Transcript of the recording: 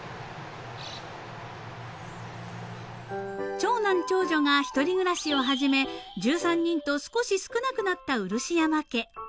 ［長男長女が一人暮らしを始め１３人と少し少なくなったうるしやま家］